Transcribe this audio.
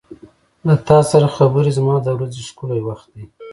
• له تا سره خبرې زما د ورځې ښکلی وخت دی.